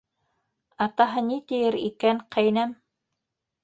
Атаһы ни тиер икән, ҡәйнәм?!